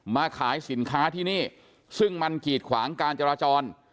มาขายสินค้าที่นี่ซึ่งมันกีดขวางการจราจร